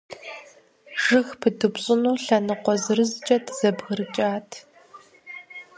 Жыг пыдупщӀыну лъэныкъуэ зырызкӀэ дызэбгрыкӀат.